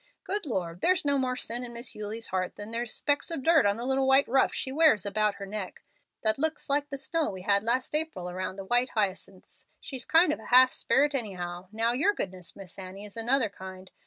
Good Lord! there's no more sin in Miss Eulie's heart than there is specks of dirt on the little white ruff she wears about her neck that looks like the snow we had last April around the white hyacinths. She's kind of a half sperit anyhow. Now your goodness, Miss Annie, is another kind.